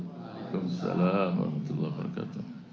waalaikumsalam warahmatullahi wabarakatuh